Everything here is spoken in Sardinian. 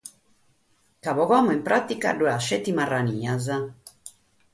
Ca pro immoe in pràtica ddoe at isceti marranias.